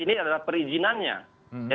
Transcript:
ini adalah perizinannya